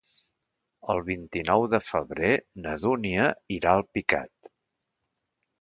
El vint-i-nou de febrer na Dúnia irà a Alpicat.